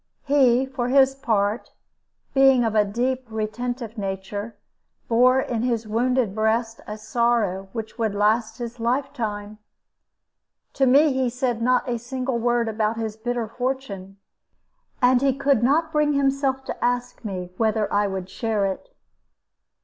He, for his part, being of a deep, retentive nature, bore in his wounded breast a sorrow which would last his lifetime. To me he said not a single word about his bitter fortune, and he could not bring himself to ask me whether I would share it.